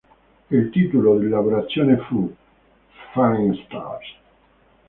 Il titolo di lavorazione fu "Falling Stars".